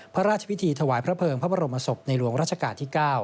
พระราชพิธีถวายพระเภิงพระบรมศพในหลวงราชการที่๙